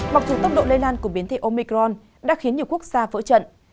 mặc dù tốc độ lây lan của biến thể omicron đã khiến nhiều quốc gia vỡ trận